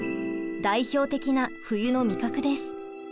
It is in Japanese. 代表的な冬の味覚です。